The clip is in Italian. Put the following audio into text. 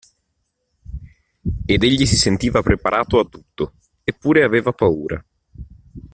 Ed egli si sentiva preparato a tutto, eppure aveva paura.